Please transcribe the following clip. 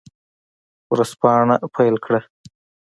ورځپاڼه پیل کړه.